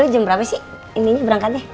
dulu jam berapa sih ini berangkatnya